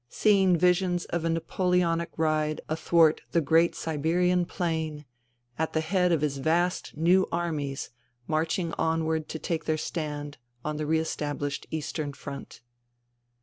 — seeing visions of a Napoleonic ride athwart the great Siberian plain, at the head of his vast new armies marching onward to take their stand on the re estabhshed Eastern Front.